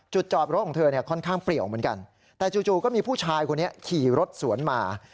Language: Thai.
จอดรถของเธอเนี่ยค่อนข้างเปรียวเหมือนกันแต่จู่ก็มีผู้ชายคนนี้ขี่รถสวนมา